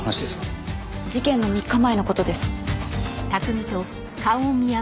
事件の３日前の事です。